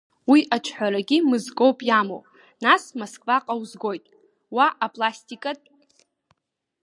Уи аҿҳәарагьы мызкоуп иамоу, нас Москваҟа узгоит, уа апластикатә…